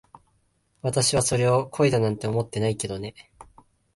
私はそれを恋だなんて思ってないけどね。